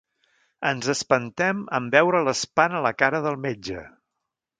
Ens espantem en veure l'espant a la cara del metge.